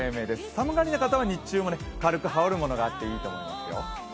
寒がりな方は日中も軽く羽織るものがあってもいいと思いますよ。